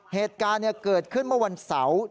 เหตุการณ์เกิดขึ้นเมื่อวันเสาร์